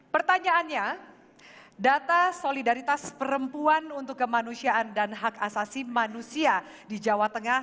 pertanyaannya data solidaritas perempuan untuk kemanusiaan dan hak asasi manusia di jawa tengah